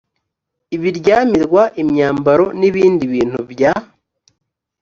ibiryamirwa imyambaro n ibindi bintu bya